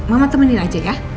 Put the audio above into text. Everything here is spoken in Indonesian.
mama temenin aja ya